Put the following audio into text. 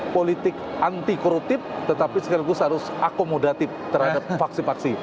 satu politik anti koruptif tetapi sekaligus harus akomodatif terhadap paksi paksi